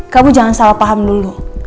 kamu jangan salah paham dulu